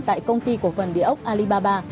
tại công ty của phần địa ốc alibaba